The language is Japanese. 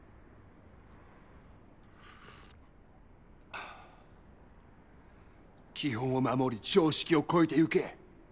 あぁ基本を守り常識を超えてゆけ。